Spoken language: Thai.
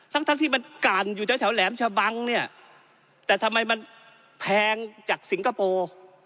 ทั้งทั้งที่มันก่านอยู่แถวแหลมชะบังเนี่ยแต่ทำไมมันแพงจากสิงคโปร์